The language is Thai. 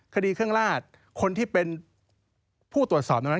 คดีเครื่องราชคนที่เป็นผู้ตรวจสอบนั้น